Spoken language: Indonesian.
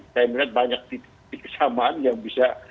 saya melihat banyak titik kesamaan yang bisa